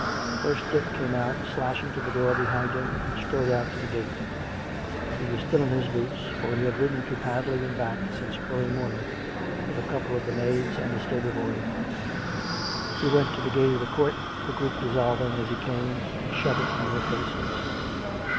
First Dick came out, slashing to the door behind him, and strode out to the gate. He was still in his boots, for he had ridden to Padley and back since early morning with a couple of the maids and the stable boy. He went to the gate of the court, the group dissolving as he came, and shut it in their faces.